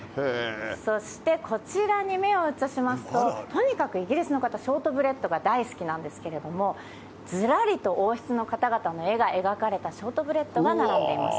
そしてこちらに目を移しますと、とにかくイギリスの方、ショートブレッドが大好きなんですけれども、ずらりと王室の方々の絵が描かれたショートブレッドが並んでいます。